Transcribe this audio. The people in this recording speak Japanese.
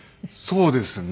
そうですね。